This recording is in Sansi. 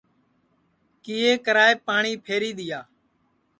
کیئے کرائیپ پاٹؔی پھری دؔیا